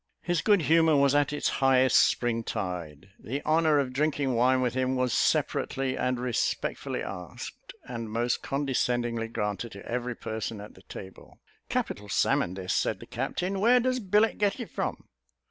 His good humour was at its highest spring tide; the honour of drinking wine with him was separately and respectfully asked, and most condescendingly granted to every person at the table. "Capital salmon this," said the captain; "where does Billett get it from?